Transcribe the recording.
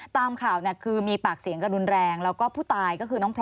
ตามข่าวคือมีปากเสี้งกระดุนแรงและก็ผู้ตาย